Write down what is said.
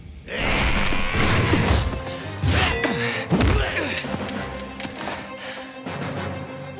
うっ！